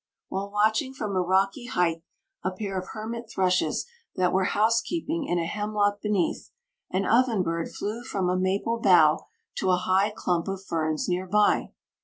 While watching from a rocky height a pair of hermit thrushes that were housekeeping in a hemlock beneath, an ovenbird flew from a maple bough to a high clump of ferns near by.